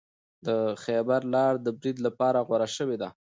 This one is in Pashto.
د خیبر لاره د برید لپاره غوره شوې ده.